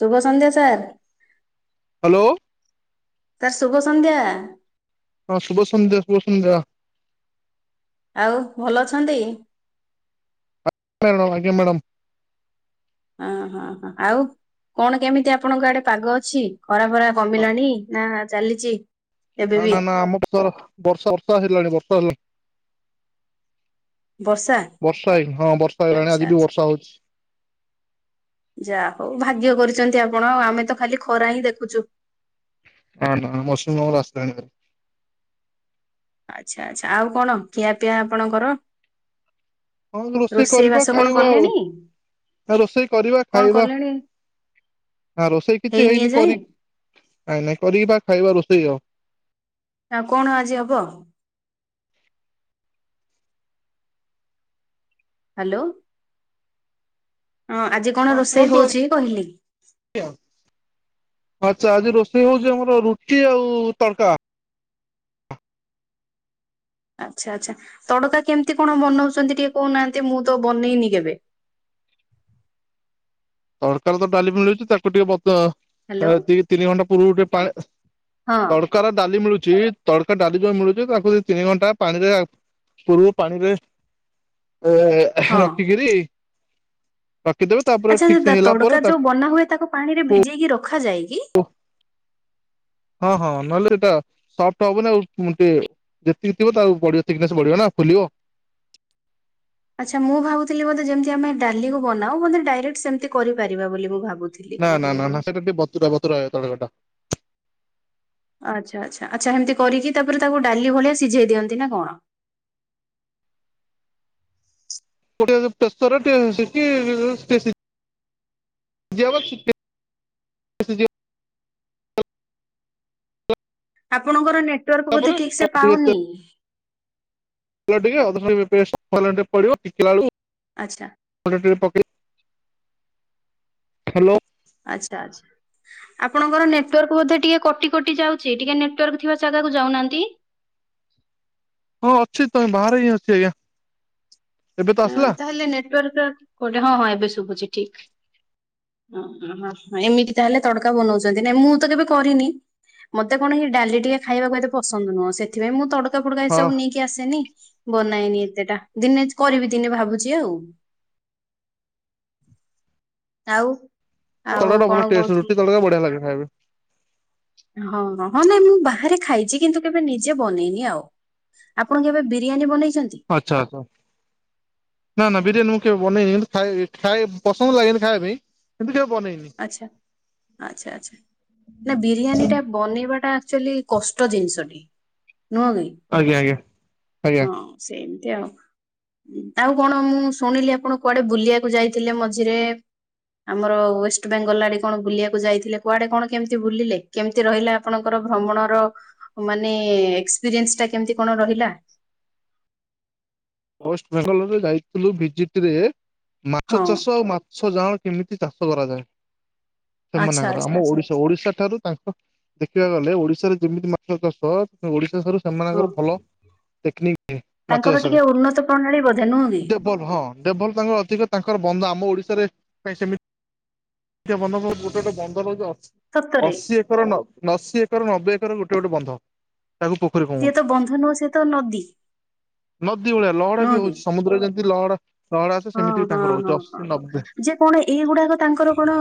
ଶୁଭ ସନ୍ଧ୍ୟା sir. Hello. Sir ଶୁଭ ସନ୍ଧ୍ୟା। ହଁ ଶୁଭ ସନ୍ଧ୍ୟା ଶୁଭ ସନ୍ଧ୍ୟା। ଆଉ ଭଲ ଅଛନ୍ତି? ମ୍ୟାଡ଼ାମ ଆଜ୍ଞା ମ୍ୟାଡ଼ାମ। ଅ ହଁ ହଁ ଆଉ କଣ କେମିତି ଆପଣଙ୍କ ଆଡେ ପାଗ ଅଛି? ଖରା ଫରା କମିଲାଣି ନା ଚାଲିଚି? ନା ନା ନା ଆମକୁ ତର ବର୍ଷ ବର୍ଷା ହେଲାଣି ବର୍ଷା ହେଲଣି। ବର୍ଷା ବର୍ଷା ହେଇନି ହଁ ବର୍ଷା ହେଇଗଲାଣି ଆଚ୍ଛା ଆଜିଠୁ ଆଚ୍ଛା ବର୍ଷା ହଉଚି। ଯା ହଉ ଭାଗ୍ୟ କରିଚନ୍ତି ଆପଣ ଆଉ ଆମେ ତ ଖାଲି ଖରା ହିଁ ଦେଖୁଚୁ। ନା ନା ମୌସୁମୀ ମଙ୍ଗଳ ଆସିଲାଣି ଭାରି। ଆଚ୍ଛା ଆଚ୍ଛା ଆଉ କଣ ଖିଆ ପିଆ ଆପଣଙ୍କର? ହଁ ରୋଷେଇ କରିବା ବାସ କଣ ଖାଇବା କଲେଣି? ଆଉ ରୋଷେଇ କରିବା କଣ ଖାଇବା। କଲେଣି ନା ରୋଷେଇ କିଛି ହେଇନି କରି ନାଇଁ ନାଇଁ କରିବା ଖାଇବା ରୋଷେଇ ଆଉ। ଆଉ କଣ ଆଜି ହବ? ହାଲୋ ହଁ ଆଜି କଣ ହଁ ରୋଷେଇ କୁହନ୍ତୁ ହଉଛି କହିଲି। ଆଚ୍ଛା ଆଜି ରୋଷେଇ ହଉଚି ଆମର ରୁଟି ଆଉ ଉ ଉ ତଡ଼କା। ଆଚ୍ଛା ଆଚ୍ଛା ତଡ଼କା କେମତି କଣ ବନଉଛନ୍ତି ଟିକେ କହୁନାହାନ୍ତି ମୁଁ ତ ବନେଇନି କେବେ। ତଡ଼କାର ତ ଡ଼ାଲି ମିଳୁଚି ତାକୁ ଟିକେ ବତ ହ୍ୟାଲୋ ତା ଦି ତିନି ଘଣ୍ଟା ପୂର୍ବରୁ ଟିକେ ପାଣ ହଁ ତଡ଼କାର ଡ଼ାଲି ମିଳୁଛି ତଡ଼କା ଡ଼ାଲି ଯୋଉ ମିଳୁଚି ତାକୁ ଦି ତିନି ଘଣ୍ଟା ପାଣିରେ ଆଉ ପୂର୍ବୁ ପାଣିରେ ଏ ଏ ଏହେ ହଁ ରଖିକିରି ରଖିଦବୁ ତାପ ଆଚ୍ଛା ସେତା ତଡ଼କା ଯୋଉ ବନା ହୁଏ ତାକୁ ପାଣିରେ ଭିଜେଇକି ରଖାଯାଏ କି? ଓଃ ହଁ ହଁ ନହେଲେ ସେଟା ସଫ୍ଟ ହବନ ଆଉ ମୁଁ ଟିଏ ଯେତିକି ଥିବ ତାଉ ବଢ଼ିବ ଥିକନେସ ବଢ଼ିବ ନା ଫୁଲିବ। ଆଚ୍ଛା ମୁଁ ଭାବୁଥିଲି ବୋଧେ ଯେମିତି ଆମେ ଡ଼ାଲିକୁ ବନାଉ ବୋଧେ ଡାଇରେକ୍ଟ ସେମତି କରିପାରିବା ବୋଲି ମୁଁ ଭାବୁଥିଲି। ନା ନା ନା ସେଟା ଟିକେ ବତୁରା ବତୁରାଏ ତଡ଼କା ଟା। ଆଚ୍ଛା ଆଚ୍ଛା ଆଚ୍ଛା ଏମତି କରିକି ତାପରେ ତାକୁ ଡାଲି ଭଳିଆ ସିଝେଇ ଦିଅନ୍ତି ନା କଣ। [unintelligible] [unintelligible] ଆପଣଙ୍କର ନେଟୱାର୍କ ବୋଧେ ପରେ ଠିକ୍ ସେ ଟିକେ ପାଉନି। ତେଲ [unintelligible] ଆଚ୍ଛା। [unintelligible] ଆଚ୍ଛା ଆଚ୍ଛା। ଆପଣଙ୍କର ନେଟୱାର୍କ ବୋଧେ ଟିକେ କଟି କଟି ଯାଉଛି ଟିକେ ନେଟୱାର୍କ ଥିବା ଜାଗାକୁ ଯାଉନାହାନ୍ତି। ହଁ ଅଛି ତ ବାହାରେ ହିଁ ଅଛି ଆଜ୍ଞା। ଏବେ ତ ହ ଆସିଲା ତାହେଲେ ନେଟୱାର୍କ କୋଟେ ହଁ ହଁ ଏବେ ଶୁଭୁଛି ଠିକ୍। ଓ ହଁ ଏମିତି ତାହେଲେ ତଡକା ବନାଉଛନ୍ତି ନାଇଁ ମୁଁ ତ କେବେ କରିନି। ମତେ କଣ କି ଡାଲି ଟିକେ ଖାଇବାକୁ ଭାରିତ ପସନ୍ଦ ନୁହଁ ସେଥି ସେଥିପାଇଁ ମୁଁ ତଡକା ଫଡକା ଏ ହଁ ସବୁ ନେଇକି ଆସେନି ବନାଏନି ଏତେଟା ଦିନେ କରିବି ଦିନେ ଭାବୁଛି ଆଉ। ଆଉ। ଆଉ ତଡ଼କା କଣ ଭଲ ଟେଷ୍ଟ କହୁଥିଲି ରୁଟି ତଡ଼କା ବଢିଆ ଲାଗେ ଖାଇବାକୁ। ହଁ ହ ହଁ ନାଇଁ ମୁଁ ବାହାରେ ଖାଇଛି କିନ୍ତୁ କେବେ ନିଜେ ବନେଇନି ଆଉ। ଆପଣ କେବେ ବିରିୟାନୀ ବନେଇଛନ୍ତି? ଆଚ୍ଛା ଆଚ୍ଛା। ନା ନା ବିରିୟାନୀ ମୁଁ କେବେ ବନେଇନି ଖାଇ ଖାଇ ପସନ୍ଦ ଲାଗେନି ଖାଇବା ପାଇଁ। କିନ୍ତୁ କେବେ ବନେଇନି। ଆଚ୍ଛା ଆଚ୍ଛା ଆଚ୍ଛା ନା ବିରିୟାନୀଟା ବନେଇବା ଟା ଆକ୍ଚୁଆଲି କଷ୍ଟ ଜିନିଷଟି ନୁହଁ କି। ଆଜ୍ଞା ଆଜ୍ଞା ଆଜ୍ଞା। ହଁ ସେମିତି ଆଉ। ଆଉ କଣ ମୁଁ ଶୁଣିଲି ଆପଣ କୁଆଡେ ବୁଲିବାକୁ ଯାଇଥିଲେ ମଝିରେ [unintelligible] ବେଙ୍ଗଲ ଆଡେ କଣ ବୁଲିବାକୁ ଯାଇଥିଲେ କୁଆଡେ କଣ କେମିତି ବୁଲିଲେ କେମିତି ରହିଲା ଆପଣଙ୍କ ଭ୍ରମଣର ମାନେ ଏକ୍ସପିରିନ୍ସ ଟା କେମିତି କଣ ରହିଲା। ୱେଷ୍ଟ ବେଙ୍ଗଲ ରେ ଯାଇଥିଲୁ ଭିଜିଟି ରେ ମାଛ ହଁ ଚାଷ ଆଉ ମାଛ ମାଛ ଜାଅଳ କେମିତି ଚାଷ କରାଯାଏ ଆଚ୍ଛା ମନେକର ଆଚ୍ଛା ଆମ ଆଚ୍ଛା ଓଡିଶା ଓଡିଶା ଠାରୁ ତାଙ୍କ ଦେଖିବାକୁ ଗଲେ ଓଡିଶାରେ ଯେମିତି ମାଛ ଚାଷ ଓଡିଶାଠାରୁ ହଁ ସେମାନଙ୍କର ଭଲ ଟେକ୍ନିକ ଥିଏ ମାଛ ଚାଷରେ। [unintelligible] ନୁହେଁ କି। [unintelligible] [unintelligible] ସତରେ ଅଶୀ ଏକର ନବେ ଏକର ଗୋଟେ ଗୋଟେ ବନ୍ଧ ତାକୁ ପୋକ ସିଏ ତ ବନ୍ଧ ନୁହଁ ସିଏ ତ ନଦୀ।। ନଦୀ ଭଳିଆ ଲହଡା ବି ନୁହଁ କି ହଉଛି ସମୁଦ୍ର ଯେମିତି ହଁ ଲହଡା ଲହଡା ଆସେ ସେମିତି ବି ହଁ ତାଙ୍କର ହଁ ହଉଛି ହଁ ଅଶୀ ହଁ ନବେ। ଯେ କଣ ଏଇଗୁଡାକ ତାଙ୍କର କଣ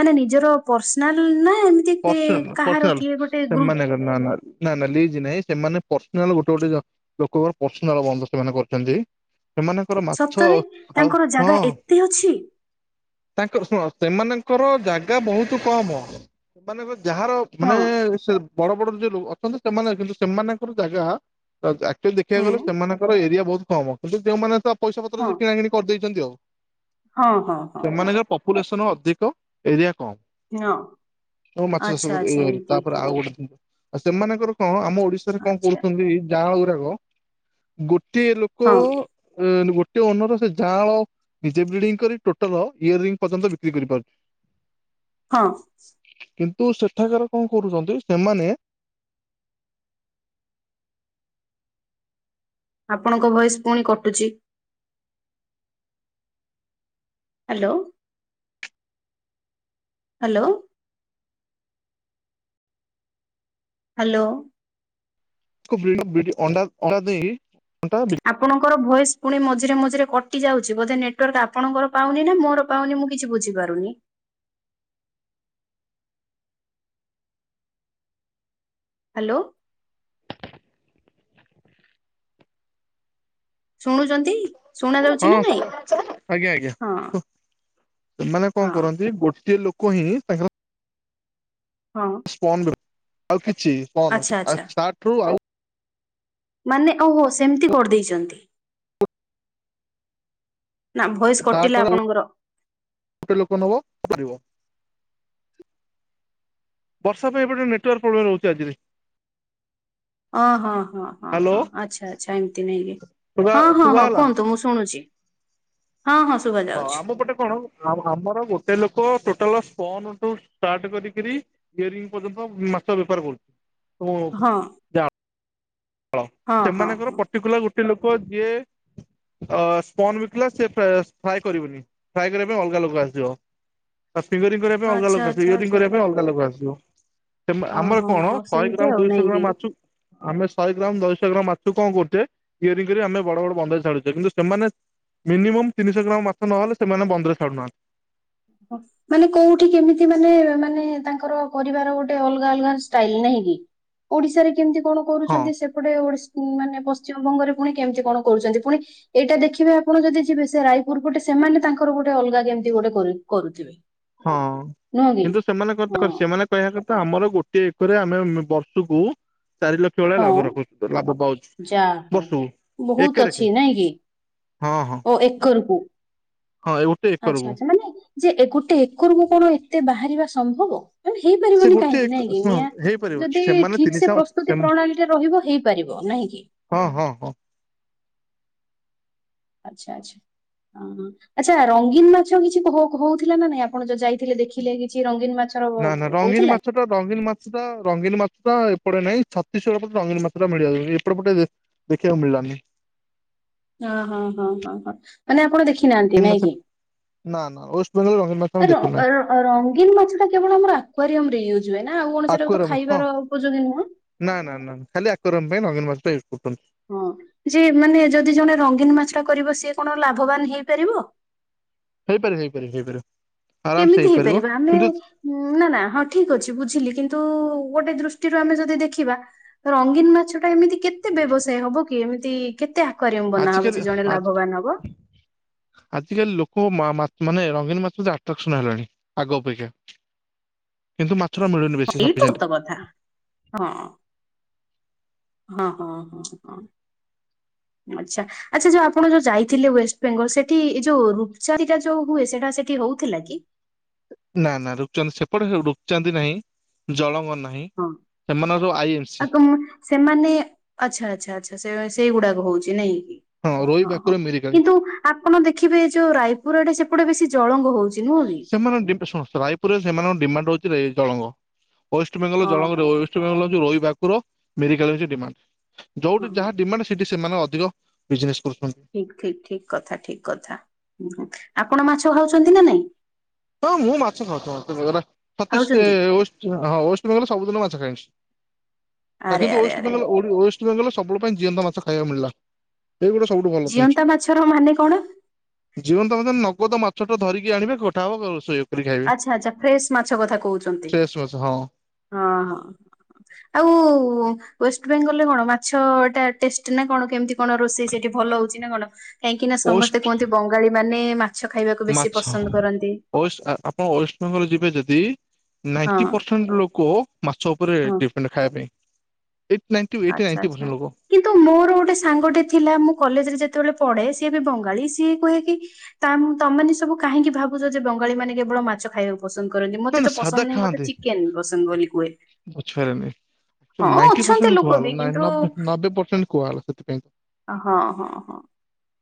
ମାନେ ନିଜର ପର୍ସନାଲ ନା ଏ କି ପର୍ସନ କାହାର ପର୍ସନାଲ କିଏ ଗୋଟେ ଗ୍ରୁପ ସେମାନେ ନା ନା ନା ଲିଜ ନାଇଁ ସେମାନେ ପର୍ସନାଲ ଗୋଟେ ଗୋଟେ ଲୋକଙ୍କର ପର୍ଶିନାଲ ବନ୍ଧ ସେମାନେ କରିଛନ୍ତି ସେମାନେ ଆମର ମାଛ ସତରେ ଆଉ ତାଙ୍କର ହଁ। ଜାଗା ଏତେ ଅଛି ତାଙ୍କ ଶୁଣ ସେମାନଙ୍କର ଜାଗା ବହୁତ୍ କମ ସେମାନଙ୍କ ଯାହାର ମାନେ ହଁ ସେ ବଡ଼ ବଡ଼ ଯୋଉ ଲୋକ ଅଛନ୍ତି ସେମାନେ କିନ୍ତୁ ସେମାନଙ୍କର ଜାଗା ଆକ୍ଚୁଆଲି ହୁଁ ଦେଖିବାକୁ ଗଲେ ସେମାନଙ୍କର ଏରିଆ ବହୁତ୍ କମ୍ କିନ୍ତୁ ଯୋଉମାନେତ ପଇସା ପତ୍ର ହଁ ସେକିଣା କିିଣି କରିଦେଇଚନ୍ତି ଆଉ। ହଁ ହଁ ହଁ ହଁ ସେମାନଙ୍କର ପପୁଲେସନ ଅଧିକ ଏରିଆ କମ୍। ହଁ। କୋଉ ମାଛ ଚାଷ ଆଚ୍ଛା ଆଚ୍ଛା ଏଇଭାରୁ ଏମିତି ତାପରେ ଆଉ ଗୋଟେ ଜିନିଷ ଆଉ ସେମାନଙ୍କର କଣ ଆମ ଓଡ଼ିଶାରେ କଣ ଆଚ୍ଛା କରୁଚନ୍ତି। ଜାଆଁଳ ଗୁଡ଼ାକ ଗୋଟିଏ ଲୋକ ହଁ ଗୋଟେ ଅନର ସେ ଯାଆଁଳ ନିଜେ ବ୍ରିଡିଙ୍ଗ କରି ଟୋଟାଲ ଇୟର ରିଙ୍ଗି ପର୍ଯ୍ୟନ୍ତ ବିକ୍ରି କରିପାରୁଚି। ହଁ। କିନ୍ତୁ ସେଠାକାର କଣ କରୁଚନ୍ତି ସେମାନେ ଆପଣଙ୍କ ଭୟସ୍ ପୁଣି କଟୁଚି। ହାଲୋ। ହାଲୋ। ହାଲୋ। [unintelligible] ଅଣ୍ଡା ଅଣ୍ଡା ଦେଇ ଅଣ୍ଡା ବି ଆପଣଙ୍କର ଭଏସ୍ ପୁଣି ମଝିରେ ମଝିରେ କଟି ଯାଉଚି ବୋଧେ ନେଟୱାର୍କ ଆପଣଙ୍କର ପାଉନିନା ମୋର ପାଉନି ମୁଁ କିଛି ବୁଝିପାରୁନି। ହାଲୋ। ଶୁଣୁଚନ୍ତି? ହଁ ଆଜ୍ଞା ଆଜ୍ଞା ହଁ କୁଅ ସେମାନେ କଣ ହଁ କରନ୍ତି ଗୋଟିଏ ଲୋ କହି ତାଙ୍କର ହଁ। ପନ୍ ରୁ ଆଉ କିଛି ପନ୍ ଆଚ୍ଛା ଆଉ ଆଚ୍ଛା ଷ୍ଟାଟେରୁ ଆଉ ମାନେ ଓହୋ ସେମିତି କରିଦେଇଚନ୍ତି। ନା ଭଏସ୍ କଟିଲା ତାଠାରୁ ଆଉ ଆପଣଙ୍କର। ଗୋଟେ ଲୋକ ନବ କରିବ। ବର୍ଷା ପାଇଁ ଏପଟେରେ ନେଟୱର୍କ ପ୍ରୋବ୍ଲେମ୍ ରହୁଚି ଆଜିରେ। ଓଁ ହଁ ହଁ ହଁ ହ୍ୟାଲୋ ହଁ ଆଚ୍ଛା ଆଚ୍ଛା ଏମିତି ନାଇଁ କି ଶୁଭା ହଁ ହଁ ହଁ ଶୁଭାଗଲା। କୁହନ୍ତୁ ମୁଁ ଶୁଣୁଚି। ହଁ ହଁ ଶୁବା ହଁ ଆମ ପଟେ କଣ ଆମର ଗୋଟେ ଲୋକ ଟୋଟାଲେ ସ୍ପନଠୁ ଷ୍ଟାଟେ କରିକରି ଇୟରିଙ୍ଗ ପର୍ଯ୍ୟନ୍ତ ମାଛ ବେପାର କରୁଚି ଓ ହଁ ଜାଆଁଳ ହଁ ହଁ ସେମାନଙ୍କର ହଁ ପର୍ଟିକୁଲାର ଗୋଟେ ଲୋକ ଯିଏ ଅ ସ୍ପନ ବିକିଲା ସେ ଫ୍ରାଏ କରିବନି ଫ୍ରାଏ କରିବା ପାଇଁ ଅଲଗା ଲୋକ ଆସିଯିବ। ଆ ଫିଙ୍ଗରିଙ୍ଗ କରିବା ପାଇଁ ଅଲଗା ଆଚ୍ଛା ଲୋକ ଆସିବ ଆଚ୍ଛା ଇୟରିଙ୍ଗ ଆଚ୍ଛା। କରିବା ପାଇଁ ଅଲଗା ଲୋକ ଆସିବ। ସେମା ହଁ ଆମର ହଁ କଣ ହଁ ଶହେ ସେମିତି ଗ୍ରାମ ଆଉ ନାଇଁ ଦୁଇଶହ ଗ୍ରାମ କି ମାଛକୁ ଆମେ ଶହେ ଗ୍ରାମ ଦୁଇଶହ ଗ୍ରାମ ମାଛକୁ କଣ କରୁଚେ ଇୟରିଙ୍ଗ କରି ଆମେ ବଡ଼ ବଡ଼ ବନ୍ଦରେ ଛାଡ଼ୁଚେ କିନ୍ତୁ ସେମାନେ ମିନିମମ୍ ତିନିଶହ ଗ୍ରାମ ମାଛ ନହଲେ ସେମାନେ ବନ୍ଦରେ ଛଡ଼ୁନାହାନ୍ତି। ହଁ। ମାନେ କୋଉଠି କେମିତି ମାନେ ମାନେ ତାଙ୍କର କରିବାର ଗୋଟେ ଅଲଗା ଅଲଗା ଷ୍ଟାଇଲି ନାହିଁ କି। ଓଡ଼ିଶାରେ କେମିତି କଣ ହଁ। କରୁଚନ୍ତି ସେ ଗଟେ ଓଡ଼ି ମାନେ ପଶ୍ଚିମବଙ୍ଗରେ ପୁଣି କେମିତି କଣ କରୁଚନ୍ତି ପୁଣି ଏଇଟା ଦେଖିବେ ଆପଣ ଯଦି ଯିବେ ସେ ରାୟପୁର ପଟେ ସେମାନେ ତାଙ୍କର ଗୋଟେ ଅଲଗା କେମିତି ଗୋଟେ କରୁ କରୁଥିବେ। ହଁ ନୁହଁ କି କିନ୍ତୁ ସେମାନେ ହଁ ତାଙ୍କ ସେମାନେ କହିବା କଥା ଆମର ଗୋଟିଏ ଏକରେ ଆମେ ବର୍ଷକୁ ଚାରି ଲ ଚଳେ ହଁ। ଲାଭ ରଖୁଚୁ ଲାଭ ପାଉଛୁ ଯା ହଉ ବର୍ଷୁକୁ ବହୁତ ଅଛି ଏକେରେକେ। ନାଇଁ କି ଓ ଏକ ରୁପୁ। ହଁ ଏ ଗୋଟେ ଏକରକୁ। ଆଛା ଆଚ୍ଛା ମାନେ ଯେ ଗୋଟେ ଏକରକୁୁ କଣ ଏତେ ବାହାରିବା ସମ୍ଭବ। ମାନେ ସେ ହେଇପାରିବନି ଗୋଟେ କାହିଁକି ଏକ ନାଇଁକି ଶୁଣ ନିଆଁ ହେଇପାରିବ ଯଦି ସେମାନେ ଠିକ୍ ସେ ତିନିଶହ ପ୍ରସ୍ତୁତି ସେମ୍ ପ୍ରଣାଳୀରେ ରହିବ ହେଇପାରିବ ନାହିଁ କିି। ହଁ ହଁ ହଁ। ଆଚ୍ଛା ଆଚ୍ଛା ହ ଆଚ୍ଛା ରଙ୍ଗୀନ୍ ମାଛ କିଛି ହୋ ହଉଥିଲା ନା ନାଇଁ ଆପ ଆପଣ ଯ ଯାଇଥିଲେ ଦେଖିଲେ କିଛି ରଙ୍ଗୀନ୍ ମାଛର କହୁଥିଲା। ସେଟା ରଙ୍ଗୀନ୍ ମାଛା ରଙ୍ଗୀନ୍ ମାଛଟା ଏପଟେ ନାହିଁ ଛତିଶଗଡ଼ ପଟେ ରଙ୍ଗୀନ୍ ମାଛ ଟା ମିଳିଯାଉ ଏପଟେ ପଟେ ଯେ ଦେଖିବାକୁ ମିଳିଲାନି। ଓ ହଁ ହଁ ହଁ ମାନେ ଆପଣ ଦେଖି ନାହାନ୍ତି ରଙ୍ଗୀନ ମାଛ ନାଇଁ କି? ନା ନା ୱେଷ୍ଟ୍ ବେଙ୍ଗଲ ଲ ର ରଙ୍ଗୀନ୍ ମାଛ ଟା କେବଳ ଆମର ଆସ୍ପାରିୟମ ରେ ୟୁଜ୍ ହୁଏ ନା ଆଉ କଣ ସେଇଟାକୁ ତ ଆକ୍ୱାରିୟମ ହଁ ଖାଇବାର ଉପଯୋଗୀ ନୁହଁ? ନା ନା ନା ଖାଲି ଆକରମ୍ ପାଇଁ ମାଛ ଟା ପାଇଁ ୟୁଜ୍ କରୁଛନ୍ତି। ହଁ ଯେ ମାନେ ଯଦି ଜଣେ ରଙ୍ଗୀନ୍ ମାଛଟା କରିବ ସିଏ କଣ ଲାଭବାନ ହେଇପାରିବ? ହେଇପାରିବେ ହେଇପାରିବେ ହେଇପାରିବେ। କେମିତି ହେଇପାରିବେ ଆମେ ହୁଁ ନା ନା ହଁ ଠିକ୍ ଅଛି ବୁଝିଲି କିନ୍ତୁ ଗୋଟେ ଦୃଷ୍ଟିରୁ ଆମେ ଯଦି ଦେଖିବା ରଙ୍ଗୀନ୍ ମାଛ ଟା ଏମିତି କେତେ ବ୍ୟବସାୟ ହବ କି ଏମିତି କେତେ ଆକରିଅମ୍ ବନା ହବ ଆଜିକାଲି ଯେ ଜଣେ ଲାଭବାନ ହବ? ଆଜିକାଲି ଲୋକ ମାନେ ମା ରଙ୍ଗୀନ୍ ମାଛ ଆଟ୍ରାକ୍ସନ ହେଲାଣି ଆଗ ଅପେକ୍ଷା। କିନ୍ତୁ ମାଛର ମିଳୁନି ବେଶୀ ସଫିସେଣ୍ଟ୍ ବଧା। ହଁ ହଁ ହଁ ହଁ ହଁ ଆଚ୍ଛା ଆଚ୍ଛା ଯୋଉ ଆପଣ ଯୋଉ ଯାଇଥିଲେ ୱେଷ୍ଟବେଙ୍ଗଲ ସେଠି ଏ ଯୋଉ ରୂପଚାଟା ଯୋଉ ହୁଏ ସେଟା ସେଠି ହଉଥିଲା କି? ନା ନା ରୁକ୍ ଚାନ୍ଦି ସେପଟେ ରୁକ୍ ଚାନ୍ଦି ନାହିଁ ଜଳଙ୍ଗ ନାହିଁ ହଁ ସେମାନଙ୍କର ସବୁ ଆଇ ଏମ ସି ଅକୁମ୍ ସେମାନେ ଆଚ୍ଛା ଆଚ୍ଛା ଆଛା ସେ ସେଇଗୁଡାକ ହଉଛି ନାଇକି? ରୋହି ହଁ ହଁ ଭାକୁର ମିରିକାଳି। କିନ୍ତୁ ଆପଣ ଦେଖିବେ ଯୋଉ ରାଇପୁର୍ ଆଡେ ସେପଟେ ବେଶୀ ଜଳଙ୍ଗ ହଉଛି? ନୁହଁ କି? ସେସେମାନେ ଦି ଶୁଣ ରାଇପୁରରେ ସେମାନଙ୍କ ଡିମାଣ୍ଡ୍ ହଉଛି ଜଳଙ୍ଗ। ୱେଷ୍ଟବେଙ୍ଗଲ ହଁ ଜଳଙ୍ଗ ହଁ। ରେ ୱଷ୍ଟବେେଙ୍ଗଲହଉଚି ରୋହି, ଭାକୁର ମେରିକାଲ୍ ହେଉଛି ଡିମାଣ୍ଡ୍। ହଁ ଯୋଉଠି ହଁ ଯାହା ଡିମାଣ୍ଡ୍ ସେଠି ସେମାନେ ଅଧିକ ବିଜନେସ୍ କରୁଛନ୍ତି। ଠିକ୍ ଠିକ୍ ଠିକ୍ କଥା ଠିକ୍ କଥା ଆପଣ ମାଛ ଖାଉଛନ୍ତି ନା ନାଇଁ? ହଁ ମୁଁ ମାଛ ଖାଉଛି ମୋତେ ସେ ଖାଉଛନ୍ତି ହଁ ୱଷ୍ଟବେେଙ୍ଗଲ୍ ସବୁଦିନ ମାଛ ଖାଏ ଆରେ କିନ୍ତୁ ଆରେ ଆରେ। ୱଷ୍ଟବେଙ୍ଗଲ୍ ୱଷ୍ଟ୍ ୱଷ୍ଟ୍ ବେଙ୍ଗଲରେ ସବୁ ପାଇଁ ଜିଅନ୍ତା ମାଛ ଖାଇବାକୁ ମିଳିଲା ଏଇ ଗୋଡା ସବୁଠୁ ଭଲ ଜିନିଷ। ଜିଅନ୍ତା ମାଛର ମାନେ କଣ ଜୀଅନ୍ତା ମାଛ ଟା ନଗଦ ମାଛ ଟା ଧରିକି ଆଣିବେ କଟା ହବ ରୋଷେଇ କରି ଖାଇବେ ଆଚ୍ଛା ଆଚ୍ଛା ଫ୍ରେଶ୍ ମାଛ କଥା କହୁଛନ୍ତି ଫ୍ରେଶ ମାଛ ହଁ। ହଁ ହଁ। ଆଉ ୱେଷ୍ଟ୍ ବେଙ୍ଗଲରେ କଣ ମାଛଟା ଟେଷ୍ଟ୍ ନା କଣ କେମତି? କଣ ରୋଷେଇ ସେଠି ଭଲ ହଉଛି ନା କଣ କାହିଁକି ନା ଓଷ୍ଟ ସମସ୍ତେ କୁହନ୍ତି ବଙ୍ଗାଳୀ ମାନେ ମା ମାଛ ଖାଇବାକୁ ବେଶୀ ପସନ୍ଦ କରନ୍ତି। ୱଷ୍ଟ୍ ଆପଣ ୱେଷ୍ଟବେଙ୍ଗଲ ଯିବେ ଯଦି ନାଇଟି ହଁ ପରସେ ପରସେଣ୍ଟ୍ ଲୋକ ମାଛ ଉପରେ ହଁ। ଡିପେଣ୍ଡ୍ ଖାଇବା ପାଇଁ ଏଇଟି ନାଇଟି ଏଇଟି ଆଚ୍ଛା ନାଇଟି ଆଚ୍ଛା। ପରସେଣ୍ଟ୍ ଲୋକ। କିନ୍ତୁ ମୋର ଗୋଟେ ସାଙ୍ଗଟେ ଥିଲା ମୁଁ କଲେଜ୍ ରେ ଯେତେବେଳେ ପଢେ ସିଏ ବି ବଙ୍ଗାଳୀ ସିଏ କୁହେ କି ତା ତମେ ମାନେ ସବୁ କାହିଁକି ଭାବୁଛ ଯେ ବଙ୍ଗାଳି ମାନେ କେବଳ ମାଛ ଖାଇବାକୁ ପସନ୍ଦ କରନ୍ତି ନା ମତେ ନା ତ ସାଧା ପସନ୍ଦ ନାହିଁ ମତେ ଚିକେନ୍ ପସନ୍ଦ ବୋଲି କୁହେ। ପଛରେ ମି ହଁ ଅଛନ୍ତି ଲୋକ ବି ନାଇଁ କିନ୍ତୁ ନବେ ନବେ ପରସେଣ୍ଟ୍ କୁହାଗଲା ସେଥିପାଇଁ। ଓ ହଁ, ହଁ, ହଁ,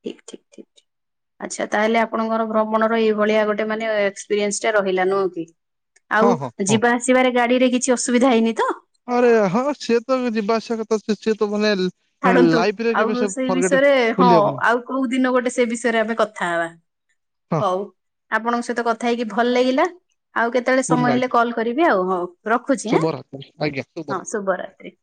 ଠିକ୍ ଠିକ୍ ଠିକ୍ ଠିକ୍। ଆଚ୍ଛା ତାହେଲେ ଆପଣଙ୍କର ଭ୍ରମଣର ଏଇଭଳିଆ ଗୋଟେ ମାନେ ଏକ୍ସପିରିଏନ୍ସ୍ ଟେ ରହିଲା ନୁହଁ କି? ଆଉ ହଁ ହଁ ହଁ। ଯିବା ଆସିବାରେ ଗାଡି ରେ କିଛି ଅସୁବିଧା ହେଇନି ତ? ଆରେ ହଁ ସିଏ ତ ଯିବା ଆସିବା କଥା ସେ ସିଏ ତ ମାନେ ଛାଡନ୍ତୁ ଲାଇଫରେ ଆଉ କେବେ ସେ ସେଇ ଫରଗେଟ ବିଷୟରେ ହଁ ଭୁଲି ହବନି ଆଉ କୋଉ ଦିନ ଗୋଟେ ସେ ବିଷୟରେ ଆମେ କଥା ହେବା। ହଁ ହଉ ଆପଣଙ୍କ ସହିତ କଥା ହେଇକି ଭଲ ଲାଗିଲା ଆଉ କେତ କେତେବେଳେ ଗୁଡ୍ ସମୟ ହେଲେ ନାଇଟ୍ କଲ୍ କରିବି ଆଉ, ହଉ ରଖୁଛି ଆଁ, ଶୁଭରାତ୍ରି ଆଜ୍ଞା ଶୁଭରାତ୍ରି। ହଁ ଶୁଭରାତ୍ରି।